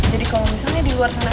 jadi kalau misalnya di luar sana